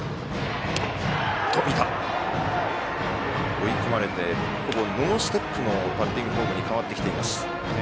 追い込まれてほぼノーステップのバッティングフォームに変わってきています。